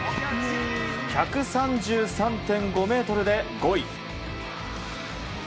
１３３．５ｍで５位。